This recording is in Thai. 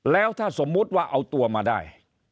แล้วถ้าสมมุติว่าเอาตัวมาได้